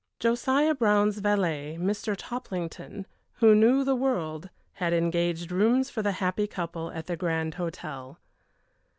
Josiah Brown's valet, Mr. Toplington, who knew the world, had engaged rooms for the happy couple at the Grand Hotel.